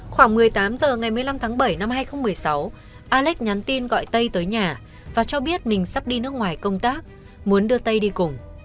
khoảng một mươi tám h ngày một mươi năm tháng bảy năm hai nghìn một mươi sáu alex nhắn tin gọi tây tới nhà và cho biết mình sắp đi nước ngoài công tác muốn đưa tây đi cùng